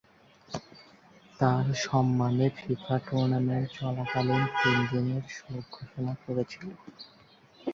তার সম্মানে FIFA tournament চলাকালীন তিন দিনের শোক ঘোষণা করেছিলো।